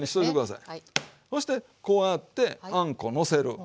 そしてこうやってあんこのせる。